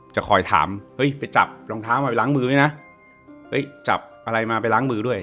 จะคอยถามเฮ้ยไปจับรองเท้ามาไปล้างมือไหมนะเฮ้ยจับอะไรมาไปล้างมือด้วย